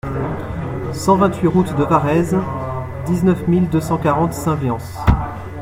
cent vingt-huit route de Varetz, dix-neuf mille deux cent quarante Saint-Viance